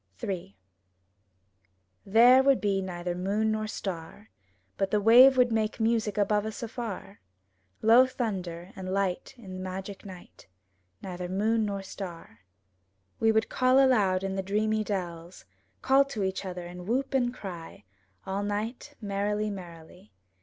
Ill There would be neither moon nor star; But the wave would make music above us afar — Low thunder and light in the magic night — Neither moon nor star. 96 THE TREASURE CHEST We would call aloud in the dreamy dells, Call to each other and whoop and cry All night, merrily, merrily.